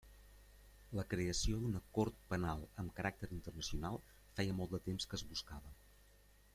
La creació d'una Cort Penal amb caràcter internacional feia molt de temps que es buscava.